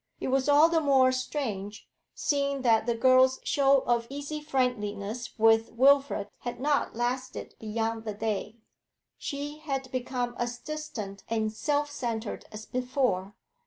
It was all the more strange, seeing that the girl's show of easy friendliness with Wilfrid had not lasted beyond the day; she had become as distant and self centred as before.